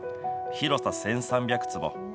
広さ１３００坪。